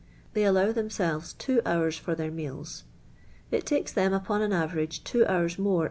Tliey allow tl)em»elves two hours for their meals. It tikes them, upon an avcnige, two hours more ev.'